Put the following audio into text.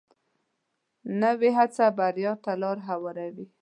نوې هڅه بریا ته لار هواروي